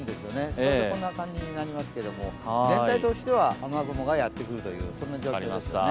それでこんな感じになりますけど、全体としては雨雲がやってくるという状況ですよね。